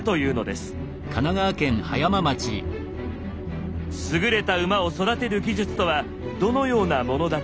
すぐれた馬を育てる技術とはどのようなものだったのか。